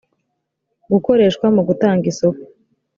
gukoreshwa mu gutanga isoko